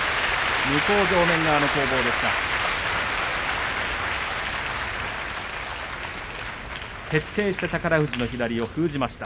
向正面側の攻防でした。